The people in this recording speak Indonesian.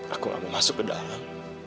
aku gak mau masuk ke dalam